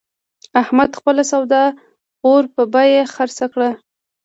احمد خپله سودا د اور په بیه خرڅه کړه.